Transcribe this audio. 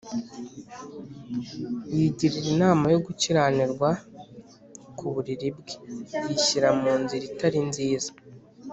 Yigirira inama yo gukiranirwa ku buriri bwe, yishyira mu nzira itari nziza